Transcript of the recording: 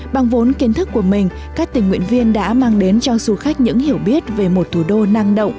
bằng vốn kiến thức của mình các tình nguyện viên đã mang đến cho du khách những hiểu biết về một thủ đô năng động